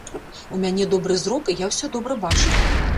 У мяне добры зрок, і я ўсё добра бачыла.